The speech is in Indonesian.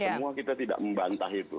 semua kita tidak membantah itu